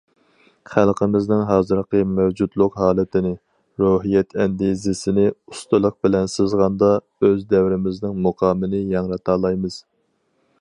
خەلقىمىزنىڭ ھازىرقى مەۋجۇتلۇق ھالىتىنى، روھىيەت ئەندىزىسىنى ئۇستىلىق بىلەن سىزغاندا، ئۆز دەۋرىمىزنىڭ مۇقامىنى ياڭرىتالايمىز.